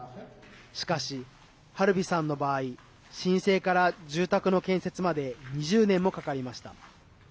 しかし、ハルビさんの場合申請から住宅の建設まで２０年もかかりました。